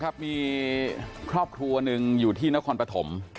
ท่านผู้ชมครับคบครัวหนึ่งอยู่ที่นครปฐม